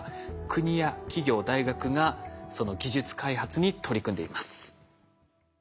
国や企業大学がその技術開発に取り組んでいます。